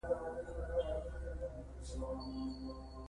د زدهکړې نشتوالی د ټولنیز ظلم لامل ګرځي.